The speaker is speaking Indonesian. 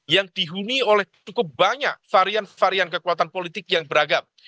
yang dihuni oleh cukup banyak varian varian kekuatan politik yang beragam